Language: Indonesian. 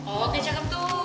oh keren tuh